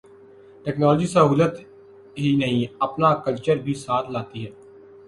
Technology سہولت ہی نہیں، اپنا کلچر بھی ساتھ لاتی ہے۔